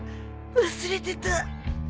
忘れてた